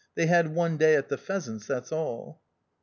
They had one day at the pheasants, that's all."